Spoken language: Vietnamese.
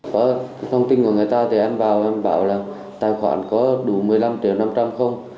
có thông tin của người ta thì em vào em bảo là tài khoản có đủ một mươi năm triệu năm trăm linh không